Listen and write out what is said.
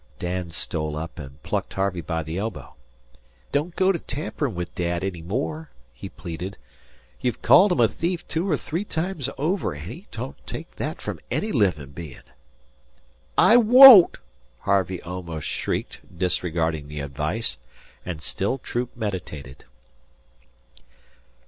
Dan stole up and plucked Harvey by the elbow. "Don't go to tamperin' with Dad any more," he pleaded. "You've called him a thief two or three times over, an' he don't take that from any livin' bein'." "I won't!" Harvey almost shrieked, disregarding the advice, and still Troop meditated.